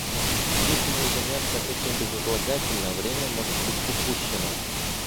Если не заняться этим безотлагательно, время может быть упущено.